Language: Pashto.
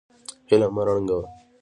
هیله مه ړنګوئ